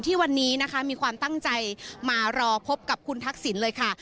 ที่วันนี้นะคะมีความตั้งใจมารอพบกับคุณทักษิณเลยค่ะ